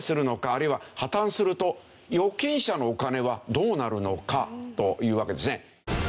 あるいは破たんすると預金者のお金はどうなるのかというわけですね。